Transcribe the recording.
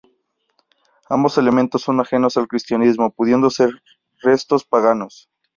Ambos elementos son ajenos al cristianismo, pudiendo ser restos paganos